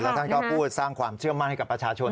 ท่านก็พูดสร้างความเชื่อมั่นให้กับประชาชน